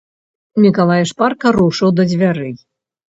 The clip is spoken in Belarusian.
Мікалай шпарка рушыў да дзвярэй.